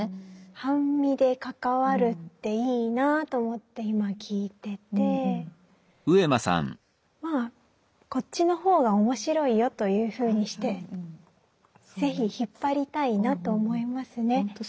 半身で関わるっていいなと思って今聞いててこっちの方が面白いよというふうにして是非引っ張りたいなと思いますね。